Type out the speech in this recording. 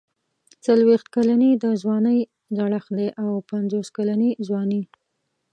څلوېښت کلني د ځوانۍ زړښت دی او پنځوس کلني ځواني.